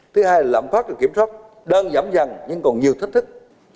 thứ hai là làm phát được kiểm soát đơn giảm dần nhưng còn nhiều thách thức